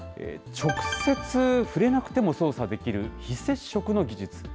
直接触れなくても操作できる非接触の技術。